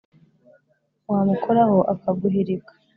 Wamukoraho akaguhirika